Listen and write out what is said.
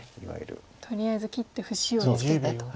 とりあえず切って節をつけてと。